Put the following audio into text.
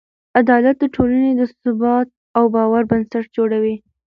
عدالت د ټولنې د ثبات او باور بنسټ جوړوي.